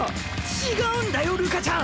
違うんだよるかちゃん！